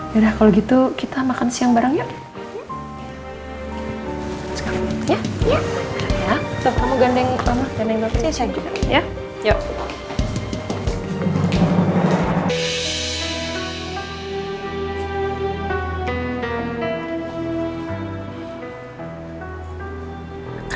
yaudah kalo gitu kita makan siang bareng yuk